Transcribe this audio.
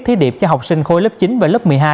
thí điểm cho học sinh khối lớp chín và lớp một mươi hai